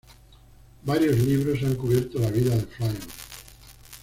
Varios libros han cubierto la vida de Flynn.